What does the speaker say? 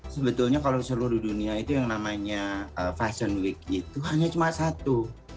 sebetulnya kalau seluruh dunia itu yang namanya fashion week itu hanya cuma satu